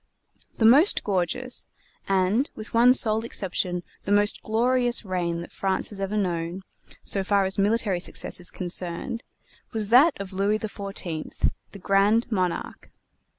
The most gorgeous, and with one sole exception the most glorious reign that France has known, so far as military success is concerned, was that of Louis XIV, the Grand Monarque.